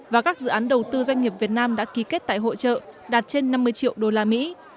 và các dự án đầu tư doanh nghiệp việt nam đã ký kết tại hội trợ đạt trên năm mươi triệu usd